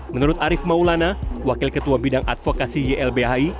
menurut arief maulana wakil ketua bidang advokasi ylbhi